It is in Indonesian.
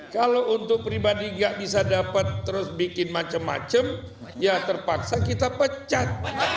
kalau untuk pribadi gak bisa dapat terus bikin macam macam ya terpaksa kita pecat